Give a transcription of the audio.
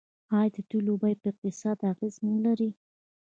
آیا د تیلو بیه په اقتصاد اغیز نلري؟